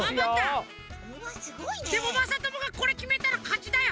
でもまさともがこれきめたらかちだよ。